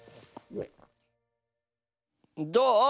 どう？